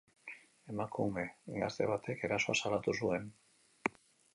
Emakume gazte batek erasoa salatu zuen.